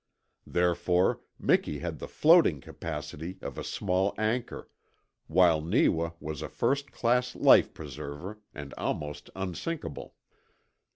Therefore Miki had the floating capacity of a small anchor, while Neewa was a first class life preserver, and almost unsinkable.